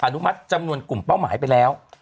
อนุมัติจำนวนกลุ่มเป้าหมายไปแล้ว